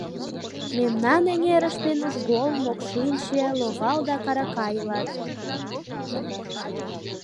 — Мемнан эҥерыште нужгол, мокшинче, ловал да карака илат.